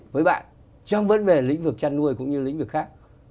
với bạn trong vấn đề lĩnh vực chăn nuôi cũng như lĩnh vực khác